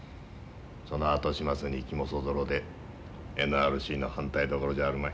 その後始末に気もそぞろでＮＲＣの反対どころじゃあるまい。